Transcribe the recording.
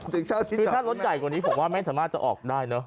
หลังจากที่รถใหญ่กว่านี้ผมว่ามันไม่สามารถจะออกได้เนอะ